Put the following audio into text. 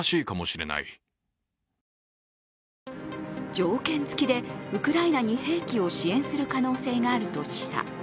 条件付きでウクライナに兵器を支援する可能性があると示唆。